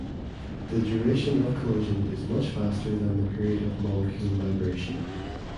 The duration of collision is much faster than the period of molecule vibration.